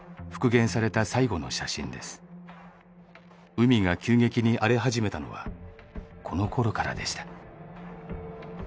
海が急激に荒れ始めたのはこのころからでした。